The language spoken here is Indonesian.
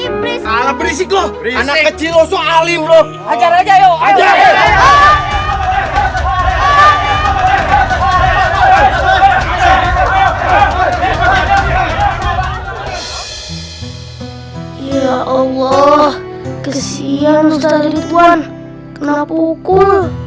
berisik berisik loh anak kecil alim ajar aja yuk aja ya allah kesian ustaz ridwan kenapa ukur